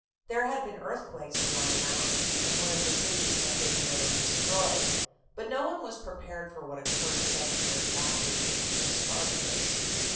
There had been earthquakes around the mountain, and one of the cities had been nearly destroyed; but no one was prepared for what occurred seven years after the defeat of Spartacus.